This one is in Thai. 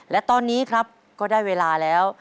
และตอนนี้ครับก็ได้เวลาแล้ว